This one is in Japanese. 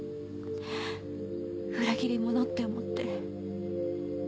裏切り者って思って。